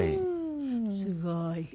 すごい。